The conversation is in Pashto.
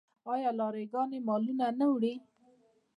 آیا لاری ګانې مالونه نه وړي؟